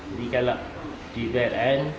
jadi kalau di pln